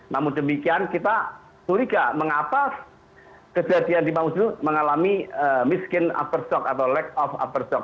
namun demikian kita suriga mengapa kejadian di mausul mengalami miskin upper shock atau lack of upper shock